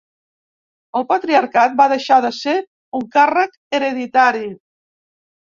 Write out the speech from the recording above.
El patriarcat va deixar de ser un càrrec hereditari.